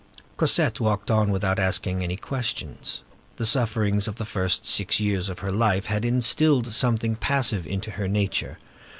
Cosette walked on without asking any questions. The sufferings of the first six years of her life had instilled something passive into her nature.